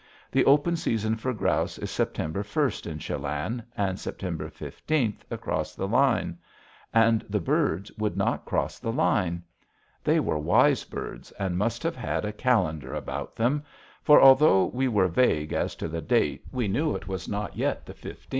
The open season for grouse is September 1st in Chelan and September 15th across the line. And the birds would not cross the line. They were wise birds, and must have had a calendar about them, for, although we were vague as to the date, we knew it was not yet the 15th.